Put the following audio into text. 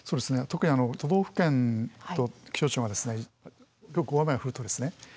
特に都道府県と気象庁がですね大雨が降るとですね